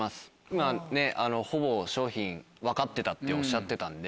今ねっほぼ商品分かってたっておっしゃってたんで。